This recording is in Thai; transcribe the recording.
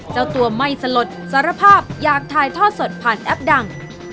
เจ้าตัวไม่สลดสารภาพอยากถ่ายทอดสดผ่านแอปดัง